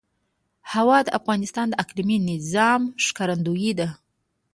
هوا د افغانستان د اقلیمي نظام ښکارندوی ده.